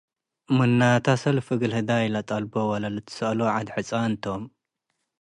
ምናተ፡ እሰልፍ እግል ህዳይ ለጠልቦ ወለልትሰአሎ ዐድ ሕጻን ቶም ።